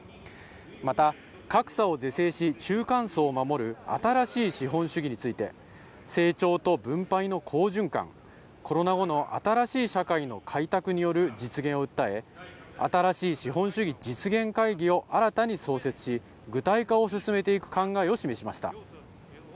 また、格差を是正し、中間層を守る新しい資本主義について、成長と分配の好循環、コロナ後の新しい社会の開拓による実現を訴え、新しい資本主義実現会議を新たに創設し、具体化を進めていく考えを示しました。